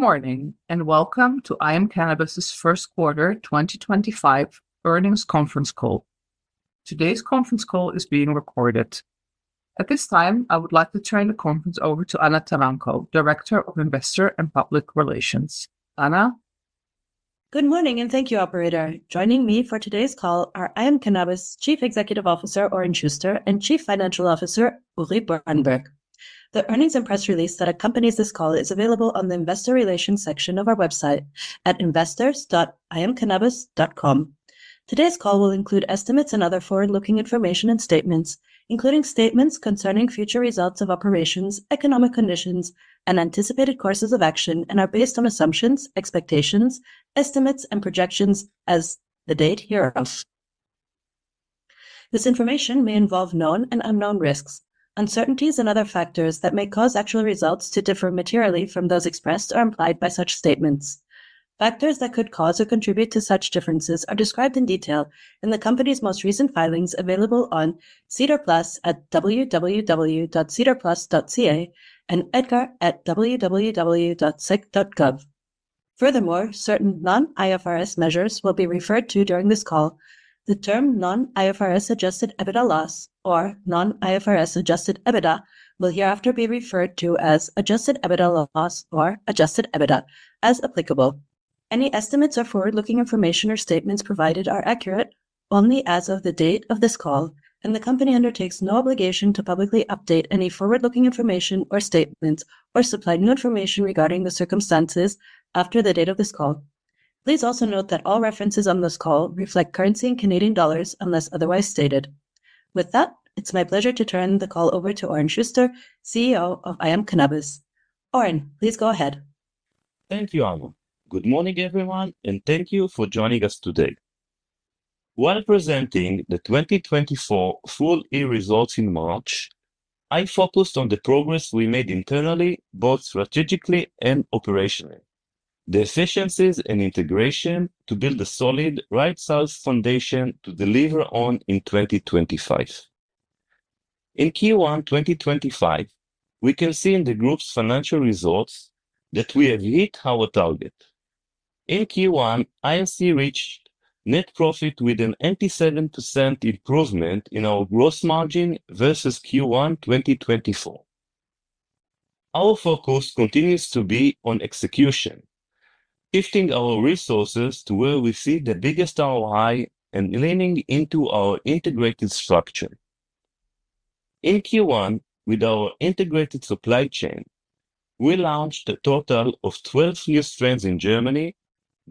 Good morning and welcome to IM Cannabis's first quarter 2025 earnings conference call. Today's conference call is being recorded. At this time, I would like to turn the conference over to Anna Taranko of Investor and Public Relations. Anna? Good morning and thank you, operator. Joining me for today's call are IM Cannabis Chief Executive Officer Oren Shuster and Chief Financial Officer Uri Birenberg. The earnings and press release that accompanies this call is available on the Investor Relations section of our website at investors.imcannabis.com. Today's call will include estimates and other forward-looking information and statements, including statements concerning future results of operations, economic conditions, and anticipated courses of action, and are based on assumptions, expectations, estimates, and projections as of the date hereof. This information may involve known and unknown risks, uncertainties, and other factors that may cause actual results to differ materially from those expressed or implied by such statements. Factors that could cause or contribute to such differences are described in detail in the company's most recent filings available on SEDAR+ www.sedarplus.ca and EDGAR at www.sec.gov. Furthermore, certain non-IFRS measures will be referred to during this call. The term non-IFRS Adjusted EBITDA loss or non-IFRS Adjusted EBITDA will hereafter be referred to as Adjusted EBITDA loss or Aajusted EBITDA as applicable. Any estimates or forward-looking information or statements provided are accurate only as of the date of this call, and the company undertakes no obligation to publicly update any forward-looking information or statements or supply new information regarding the circumstances after the date of this call. Please also note that all references on this call reflect currency in CAD unless otherwise stated. With that, it's my pleasure to turn the call over to Oren Shuster, CEO of IM Cannabis. Oren, please go ahead. Thank you, Anna. Good morning, everyone, and thank you for joining us today. While presenting the 2024 full year results in March, I focused on the progress we made internally, both strategically and operationally, the efficiencies and integration to build a solid right-sized foundation to deliver on in 2025. In Q1 2025, we can see in the group's financial results that we have hit our target. In Q1, IM Cannabis reached net profit with an 87% improvement in our gross margin versus Q1 2024. Our focus continues to be on execution, shifting our resources to where we see the biggest ROI and leaning into our integrated structure. In Q1, with our integrated supply chain, we launched a total of 12 new strengths in Germany,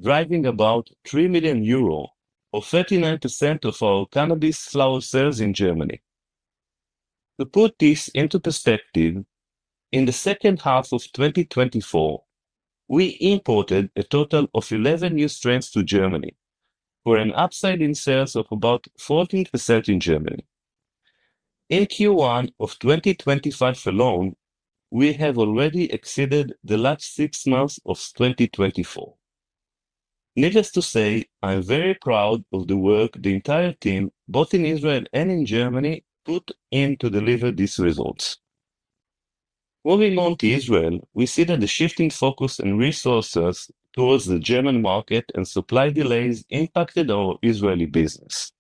driving about 3 million euro or 39% of our cannabis flower sales in Germany. To put this into perspective, in the second half of 2024, we imported a total of 11 new strengths to Germany for an upside in sales of about 14% in Germany. In Q1 of 2025 alone, we have already exceeded the last six months of 2024. Needless to say, I'm very proud of the work the entire team, both in Israel and in Germany, put in to deliver these results. Moving on to Israel, we see that the shift in focus and resources towards the German market and supply delays impacted our Israeli business.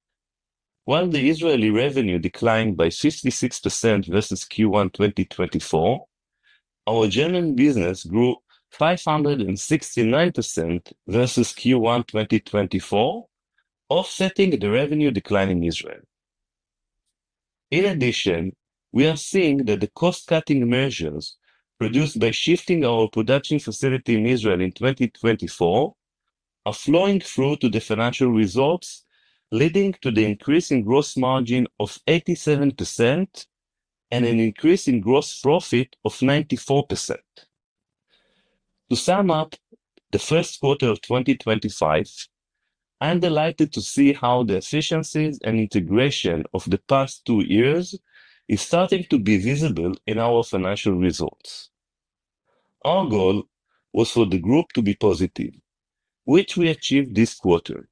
While the Israeli revenue declined by 56% versus Q1 2024, our German business grew 569% versus Q1 2024, offsetting the revenue decline in Israel. In addition, we are seeing that the cost-cutting measures produced by shifting our production facility in Israel in 2024 are flowing through to the financial results, leading to the increase in gross margin of 87% and an increase in gross profit of 94%. To sum up the first quarter of 2025, I'm delighted to see how the efficiencies and integration of the past two years is starting to be visible in our financial results. Our goal was for the group to be positive, which we achieved this quarter.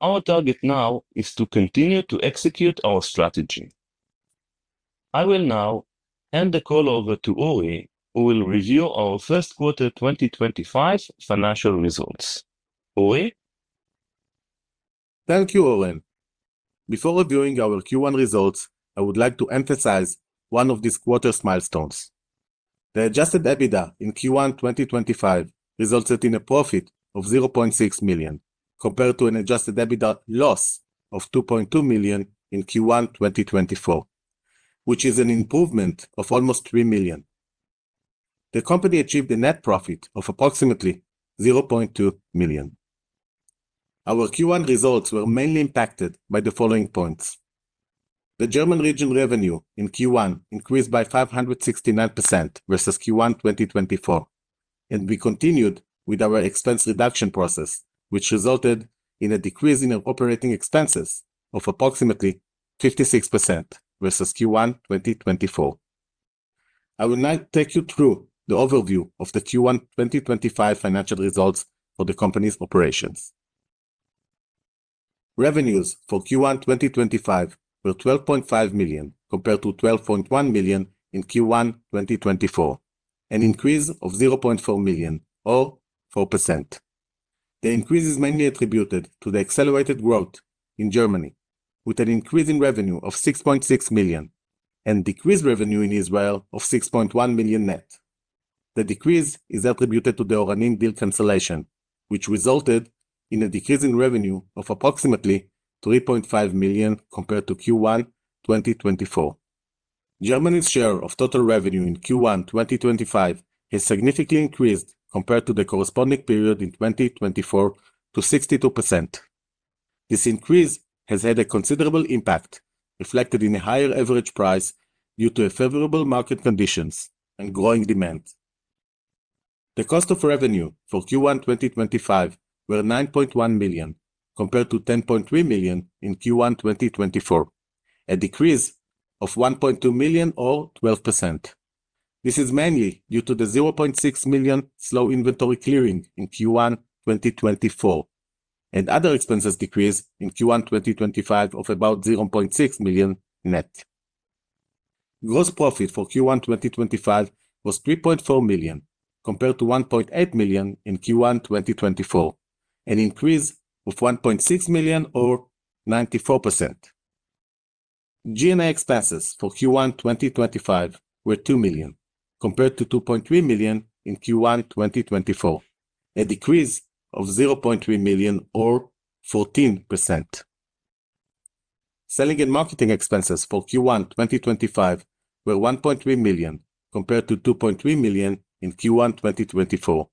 Our target now is to continue to execute our strategy. I will now hand the call over to Uri, who will review our first quarter 2025 financial results. Uri? Thank you, Oren. Before reviewing our Q1 results, I would like to emphasize one of this quarter's milestones. The Adjusted EBITDA in Q1 2025 resulted in a profit of 0.6 million compared to an adjusted EBITDA loss of 2.2 million in Q1 2024, which is an improvement of almost 3 million. The company achieved a net profit of approximately 0.2 million. Our Q1 results were mainly impacted by the following points. The German region revenue in Q1 increased by 569% versus Q1 2024, and we continued with our expense reduction process, which resulted in a decrease in our operating expenses of approximately 56% versus Q1 2024. I will now take you through the overview of the Q1 2025 financial results for the company's operations. Revenues for Q1 2025 were 12.5 million compared to 12.1 million in Q1 2024, an increase of 0.4 million or 4%. The increase is mainly attributed to the accelerated growth in Germany, with an increase in revenue of 6.6 million and decreased revenue in Israel of 6.1 million net. The decrease is attributed to the Oranim deal cancellation, which resulted in a decrease in revenue of approximately 3.5 million compared to Q1 2024. Germany's share of total revenue in Q1 2025 has significantly increased compared to the corresponding period in 2024 to 62%. This increase has had a considerable impact, reflected in a higher average price due to favorable market conditions and growing demand. The cost of revenue for Q1 2025 were 9.1 million compared to 10.3 million in Q1 2024, a decrease of 1.2 million or 12%. This is mainly due to the 0.6 million slow inventory clearing in Q1 2024 and other expenses decreased in Q1 2025 of about 0.6 million net. Gross profit for Q1 2025 was 3.4 million compared to 1.8 million in Q1 2024, an increase of 1.6 million or 94%. G&A expenses for Q1 2025 were 2 million compared to 2.3 million in Q1 2024, a decrease of 0.3 million or 14%. Selling and marketing expenses for Q1 2025 were 1.3 million compared to 2.3 million in Q1 2024,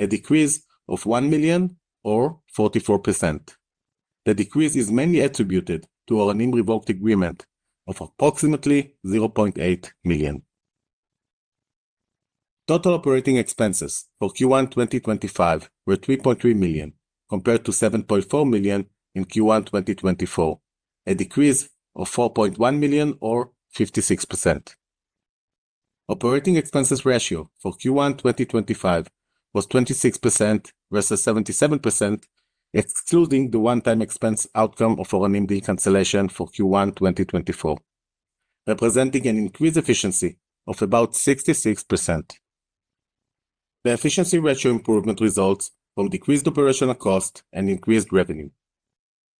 a decrease of 1 million or 44%. The decrease is mainly attributed to our NIM revoked agreement of approximately 0.8 million. Total operating expenses for Q1 2025 were 3.3 million compared to 7.4 million in Q1 2024, a decrease of 4.1 million or 56%. Operating expenses ratio for Q1 2025 was 26% versus 77%, excluding the one-time expense outcome of our NIM deal cancellation for Q1 2024, representing an increased efficiency of about 66%. The efficiency ratio improvement results from decreased operational cost and increased revenue.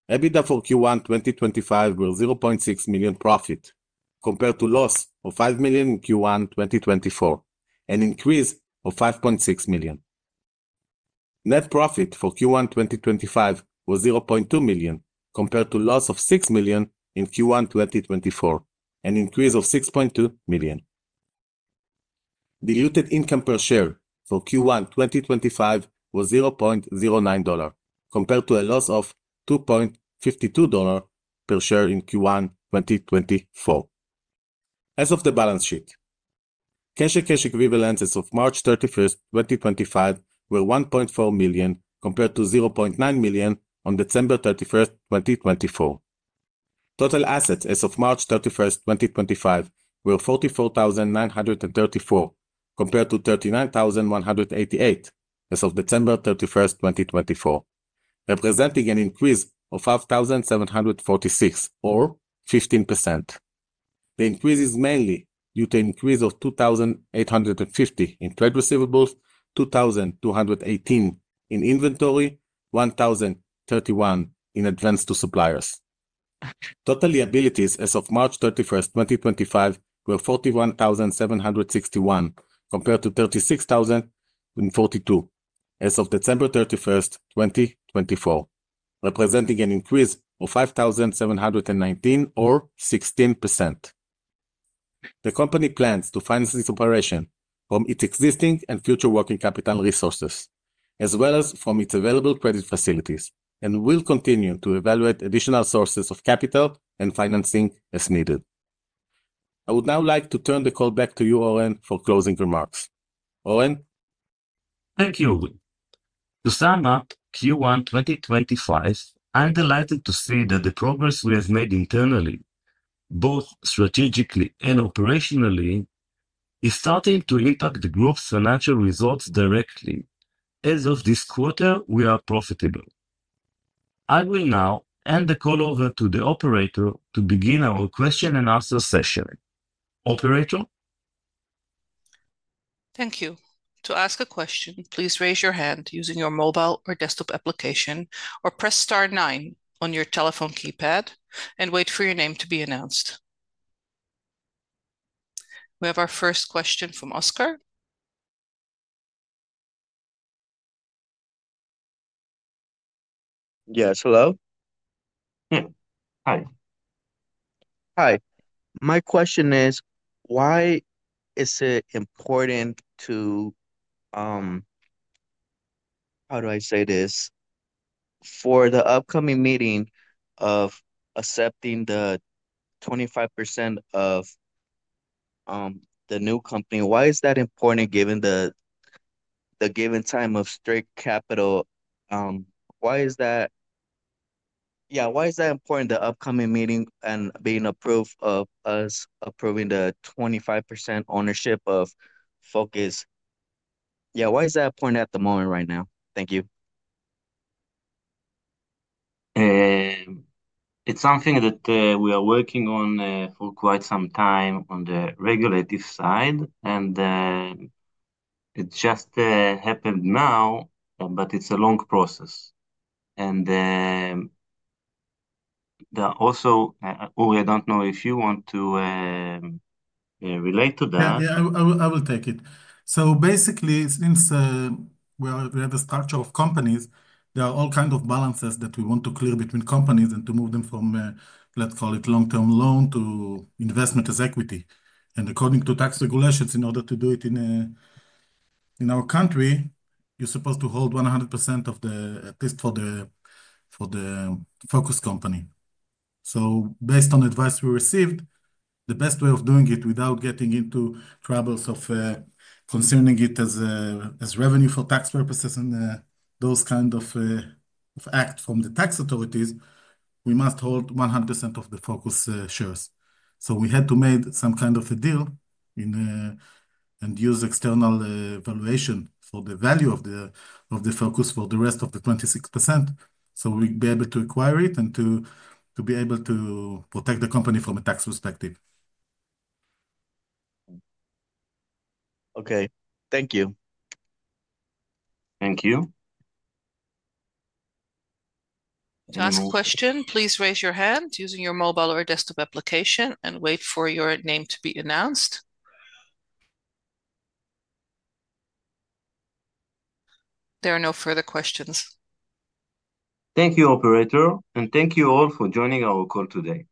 EBITDA for Q1 2025 were 0.6 million profit compared to loss of 5 million in Q1 2024, an increase of 5.6 million. Net profit for Q1 2025 was 0.2 million compared to loss of 6 million in Q1 2024, an increase of 6.2 million. Diluted income per share for Q1 2025 was $0.09 compared to a loss of $2.52 per share in Q1 2024. As of the balance sheet, cash and cash equivalents of March 31st, 2025, were 1.4 million compared to 0.9 million on December 31st, 2024. Total assets as of March 31st, 2025, were 44,934 compared to 39,188 as of December 31st, 2024, representing an increase of 5,746 or 15%. The increase is mainly due to an increase of 2,850 in trade receivables, 2,218 in inventory, 1,031 in advance to suppliers. Total liabilities as of March 31st, 2025, were 41,761 compared to 36,042 as of December 31st, 2024, representing an increase of 5,719 or 16%. The company plans to finance its operation from its existing and future working capital resources, as well as from its available credit facilities, and will continue to evaluate additional sources of capital and financing as needed. I would now like to turn the call back to you, Oren, for closing remarks. Oren? Thank you. To sum up Q1 2025, I'm delighted to see that the progress we have made internally, both strategically and operationally, is starting to impact the group's financial results directly. As of this quarter, we are profitable. I will now hand the call over to the operator to begin our question and answer session. Operator? Thank you. To ask a question, please raise your hand using your mobile or desktop application or press star nine on your telephone keypad and wait for your name to be announced. We have our first question from Oscar. Yes, hello. Hi. My question is, why is it important to, how do I say this, for the upcoming meeting of accepting the 25% of the new company? Why is that important given the given time of straight capital? Why is that, yeah, why is that important the upcoming meeting and being approved of us approving the 25% ownership of Focus? Yeah, why is that important at the moment right now? Thank you. It's something that we are working on for quite some time on the regulative side, and it just happened now, but it's a long process. Also, Uri, I don't know if you want to relate to that. Yeah, I will take it. Basically, since we have a structure of companies, there are all kinds of balances that we want to clear between companies and to move them from, let's call it, long-term loan to investment as equity. According to tax regulations, in order to do it in our country, you're supposed to hold 100% of the, at least for the Focus company. Based on advice we received, the best way of doing it without getting into troubles of concerning it as revenue for tax purposes and those kinds of acts from the tax authorities, we must hold 100% of the Focus shares. We had to make some kind of a deal and use external valuation for the value of Focus for the rest of the 26% so we'd be able to acquire it and to be able to protect the company from a tax perspective. Okay, thank you. Thank you. To ask a question, please raise your hand using your mobile or desktop application and wait for your name to be announced. There are no further questions. Thank you, operator, and thank you all for joining our call today.